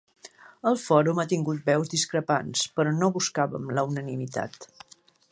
El Fòrum ha tingut veus discrepants, però no buscàvem la unanimitat.